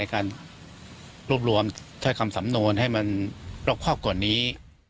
ในการรูปรวมแท้คำสำโน้นให้มันรบครอบกว่านี้